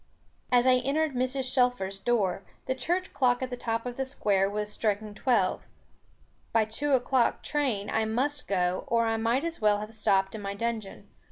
As I entered Mrs. Shelfer's door, the church clock at the top of the Square was striking twelve. By the two o'clock train I must go, or I might as well have stopped in my dungeon.